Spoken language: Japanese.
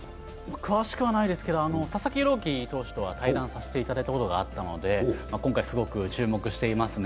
詳しくはないですけど佐々木朗希投手とは対談させていただいたことがあったので今回、すごく注目していますね。